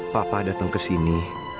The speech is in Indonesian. papa datang kesini